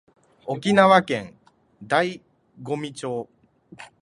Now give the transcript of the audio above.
沖縄県大宜味村